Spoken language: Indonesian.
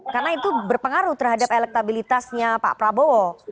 karena itu berpengaruh terhadap elektabilitasnya pak prabowo